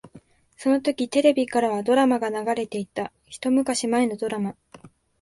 そのときテレビからはドラマが流れていた。一昔前のドラマ。